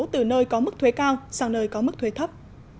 từ nơi có mức thuế cao sang nơi có mức thuế thấp